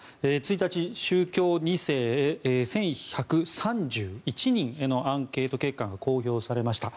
１日、宗教２世１１３１人へのアンケート結果が公表されました。